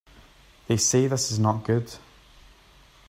They say this is not good.